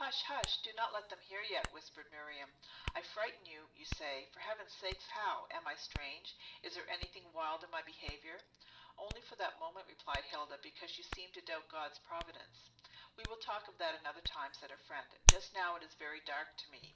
"Hush, hush? do not let them hear yet!" whispered Miriam. "I frighten you, you say; for Heaven's sake, how? Am I strange? Is there anything wild in my behavior?" "Only for that moment," replied Hilda, "because you seemed to doubt God's providence." "We will talk of that another time," said her friend. "Just now it is very dark to me."